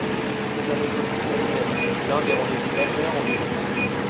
C’est un exercice annuel, l’un des rendez-vous majeurs en démocratie.